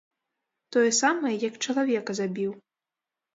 Тое самае, як чалавека забіў.